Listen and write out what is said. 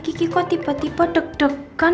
gigi kok tiba tiba deg degan